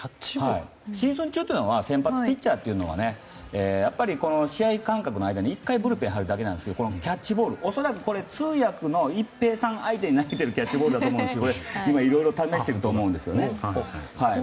シーズン中というのは先発ピッチャーというのは試合間隔の間に１回ブルペン入るだけなんですけどこのキャッチボールは恐らく通訳の一平さんを相手に投げているキャッチボールだと思うんですけどこれでいろいろ試していると思います。